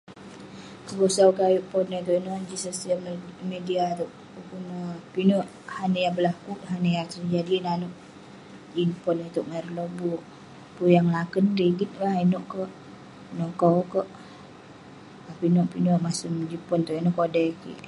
Kebosau kik ayuk pon itouk ineh, jin sosial media itouk..pukuk neh pinek han yah berlaku, han yah terjadi jin pon itouk ngan ireh lobuk..pun ireh ngelakern rigit la, inouk kerk..menokau kerk..pinek pinek masem jin pon itouk kodai kik..